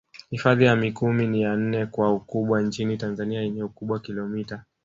Hifadhi ya Mikumi ni ya nne kwa ukubwa nchini Tanzania yenye ukubwa kilomita